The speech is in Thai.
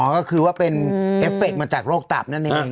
ก็คือว่าเป็นเอฟเฟคมาจากโรคตับนั่นเอง